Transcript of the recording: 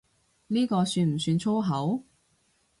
呢個算唔算粗口？